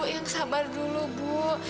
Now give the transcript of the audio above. yang sabar dulu bu